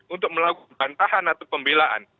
untuk melakukan bantahan atau pembelaan